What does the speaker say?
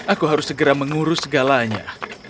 aku harus segera mengurus segalanya